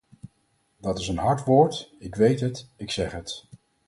Dat is een hard woord, ik weet het, ik zeg het.